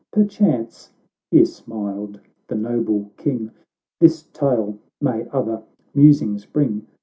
Perchance," here smiled the noble King, " This tale may other musings bring.